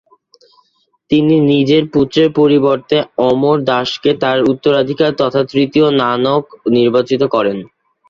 তিনি নিজের পুত্রের পরিবর্তে অমর দাসকে তার উত্তরাধিকার তথা তৃতীয় নানক নির্বাচিত করেন।